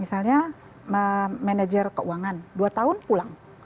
misalnya manajer keuangan dua tahun pulang